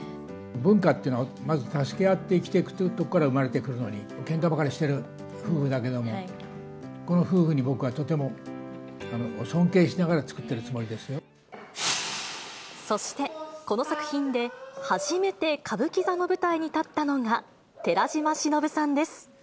文化っていうのはまず助け合って生きていくというところから生まれていくのに、けんかばかりしてる夫婦だけれども、この夫婦に僕はとても尊敬しそしてこの作品で、初めて歌舞伎座の舞台に立ったのが、寺島しのぶさんです。